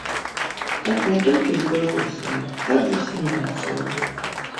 Так не толькі з беларусамі, так з усімі нацыямі.